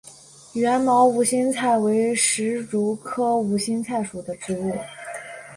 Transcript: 缘毛无心菜为石竹科无心菜属的植物。